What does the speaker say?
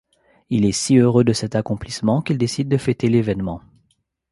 Il est si heureux de cet accomplissement qu'il décide de fêter l’événement.